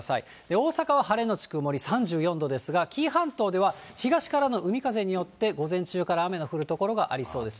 大阪は晴れ後曇り、３４度ですが、紀伊半島では東からの海風によって午前中から雨の降る所がありそうです。